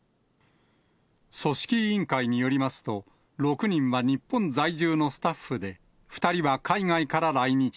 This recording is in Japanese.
組織委員会によりますと、６人は日本在住のスタッフで、２人は海外から来日。